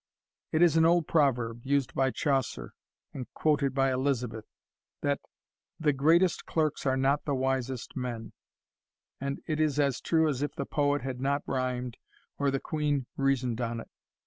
It is an old proverb, used by Chaucer, and quoted by Elizabeth, that "the greatest clerks are not the wisest men;" and it is as true as if the poet had not rhymed, or the queen reasoned on it.